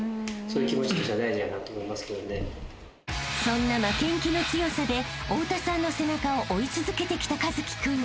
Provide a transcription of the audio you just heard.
［そんな負けん気の強さで太田さんの背中を追い続けてきた一輝君］